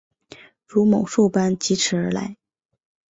如猛兽般疾驶而来